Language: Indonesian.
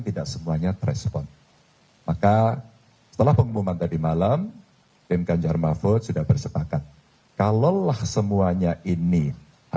pada saat ini tim ganjar mahfud adalah tim kedua yang sudah melakukan perangkalan fakta